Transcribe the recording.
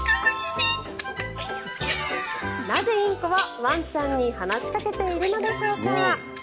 なぜインコはワンちゃんに話しかけているのでしょうか。